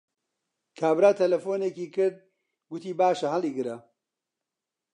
کابرا تەلەفۆنێکی کرد، گوتی باشە هەڵیگرە